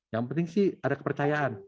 yang penting sih ada kepercayaan